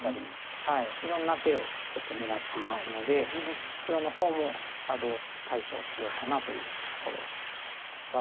いろんな手をちょっと狙っていますので黒の方もさあどう対処しようかなというところですが。